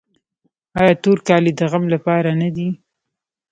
آیا تور کالي د غم لپاره نه دي؟